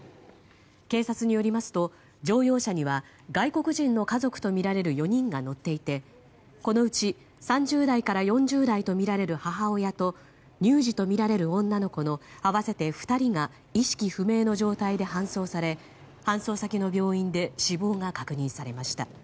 警察によりますと乗用車には外国人の家族とみられる４人が乗っていてこのうち３０代から４０代とみられる母親と乳児とみられる女の子の合わせて２人が意識不明の状態で搬送され搬送先の病院で死亡が確認されました。